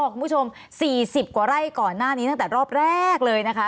คุณผู้ชม๔๐กว่าไร่ก่อนหน้านี้ตั้งแต่รอบแรกเลยนะคะ